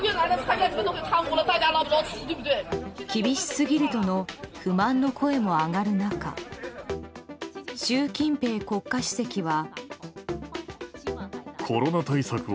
厳しすぎるとの不満の声も上がる中習近平国家主席は。